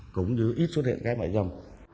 cũng như ít xuất hiện gái bại dâm